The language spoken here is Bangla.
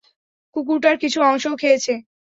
কুকুরটার কিছু অংশও খেয়েছে।